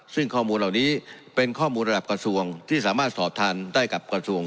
ซึ่งข้อมูลเหล่านี้เป็นข้อมูลระดับกระทรวงที่สามารถสอบทานได้กับกระทรวง